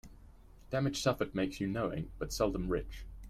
Damage suffered makes you knowing, but seldom rich.